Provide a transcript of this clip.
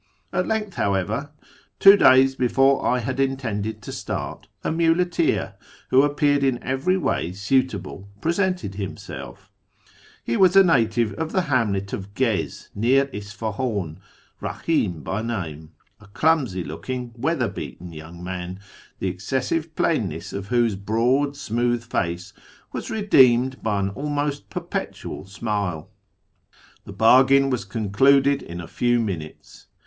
At length, however, two days before I had intended to start, a nmleteer who appeared in every way suitable presented himself He was a native of the hamlet of Gez, near Isfahan, Eahim by name; a clumsy looking, weather beaten young man, the 158 A YEAR AMONGST THE PERSIANS excessive ]>lainnoss til" wluxse broad, siiiooih face ^ as redeenied by an almost perpetual smile. The bargain was concluded in a frw minutes.